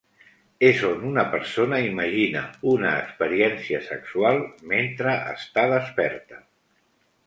És on una persona imagina una experiència sexual mentre està desperta.